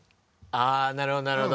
あなるほどなるほど。